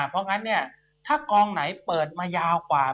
เพราะงั้นเนี่ยถ้ากองไหนเปิดมายาวกว่า